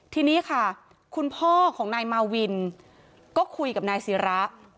ทีนี้ค่ะคุณพ่อของนายมาวินก็คุยกับนายศิระ